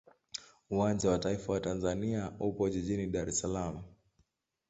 Uwanja wa taifa wa Tanzania upo jijini Dar es Salaam.